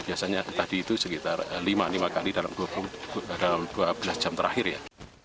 biasanya tadi itu sekitar lima lima kali dalam dua belas jam terakhir ya